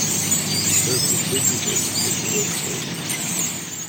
‘Nobody said you did,’ said the Red Queen.